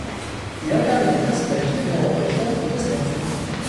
Il incarnait des personnages différents dans les quatre précédents films.